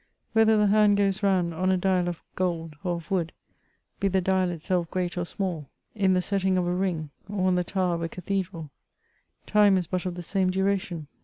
Whether the hand goes round on a dial of gold, or of wood — be the dial itself great or small — ^in the setting of a ring, or on the tower of a cathedral, time is but of the same duration.